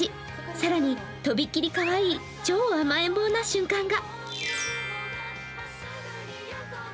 更にとびっきりかわいい超甘えん坊な瞬間が。